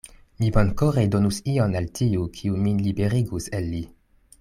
Mi bonkore donus ion al tiu, kiu min liberigus el li.